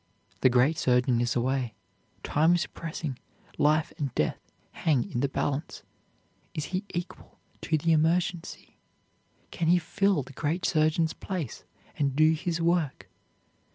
The great surgeon is away. Time is pressing. Life and death hang in the balance. Is he equal to the emergency? Can he fill the great surgeon's place, and do his work?